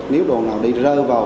nếu đồ nào đi rơ vào